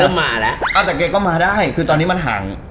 ก็มาแล้วอ่าแต่แกก็มาได้คือตอนนี้มันห่าง